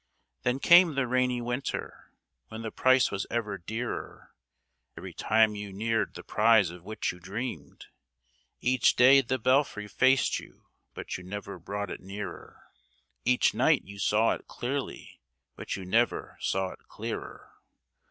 Then came the rainy winter, when the price was ever dearer, Every time you neared the prize of which you dreamed, Each day the Belfry faced you but you never brought it nearer, Each night you saw it clearly but you never saw it clearer.